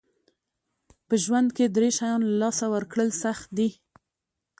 که ژوند کې درې شیان له لاسه ورکړل سخت دي.